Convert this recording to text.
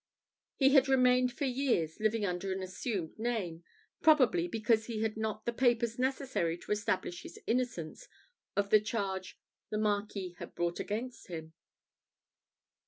He had remained for years living under an assumed name, probably because he had not the papers necessary to establish his innocence of the charge the Marquis had brought against him.